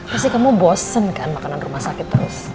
pasti kamu bosen kan makanan rumah sakit terus